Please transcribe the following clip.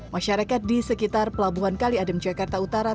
masyarakat di sekitar pelabuhan kali adem jakarta utara